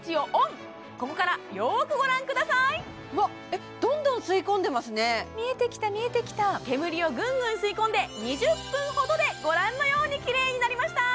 えっどんどん吸い込んでますね見えてきた見えてきた煙をぐんぐん吸い込んで２０分ほどでご覧のようにきれいになりました